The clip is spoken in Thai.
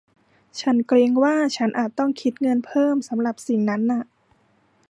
ฉันเกรงว่า ฉันอาจต้องคิดเงินเพิ่มสำหรับสิ่งนั้นนะ